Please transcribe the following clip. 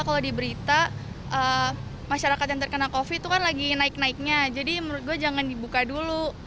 kalau diberita masyarakat yang terkena covid itu kan lagi naik naiknya jadi menurut gue jangan dibuka dulu